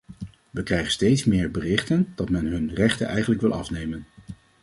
We krijgen steeds meer berichten dat men hun rechten eigenlijk wil afnemen.